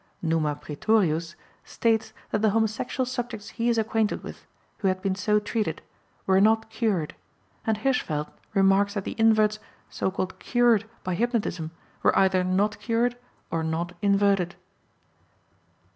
Numa Praetorius states that the homosexual subjects he is acquainted with, who had been so treated, were not cured, and Hirschfeld remarks that the inverts "cured" by hypnotism were either not cured or not inverted.